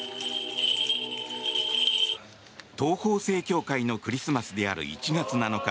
東方正教会のクリスマスである１月７日